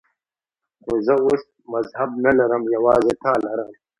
خو زه اوس مذهب نه لرم، یوازې تا لرم.